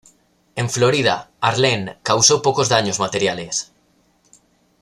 En Florida, Arlene causó pocos daños materiales.